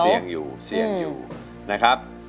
เสียงอยู่นะครับ